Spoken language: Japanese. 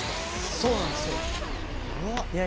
そうなんですよ。